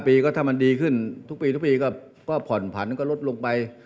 ปีก็ถ้ามันดีขึ้นทุกปีทุกปีก็ผ่อนผันก็ลดลงไป